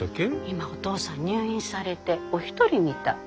今お父さん入院されてお一人みたい。